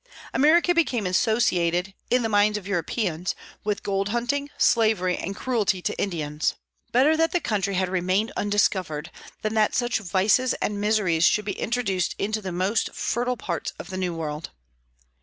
America became associated, in the minds of Europeans, with gold hunting, slavery, and cruelty to Indians. Better that the country had remained undiscovered than that such vices and miseries should be introduced into the most fertile parts of the New World.